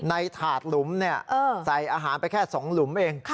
ถาดหลุมใส่อาหารไปแค่๒หลุมเอง